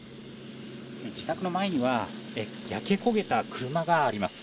自宅の前には、焼け焦げた車があります。